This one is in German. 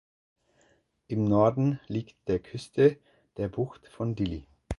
Im Norden liegt der Küste der Bucht von Dili.